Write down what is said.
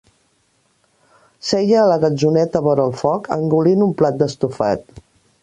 Seia a la gatzoneta vora el foc, engolint un plat d'estofat